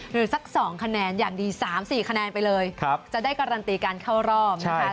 หรือสัก๒คะแนนอย่างดี๓๔คะแนนไปเลยจะได้การันตีการเข้ารอบนะคะ